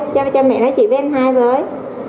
cho mẹ nói chuyện với anh hai với